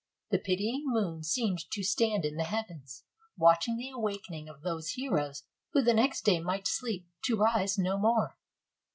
The pitying moon seemed to stand in the heavens, watching the awakening of those heroes who the next day might sleep to rise no more.